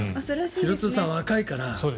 廣津留さん、若いから。